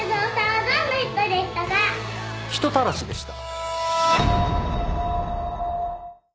人たらしでした。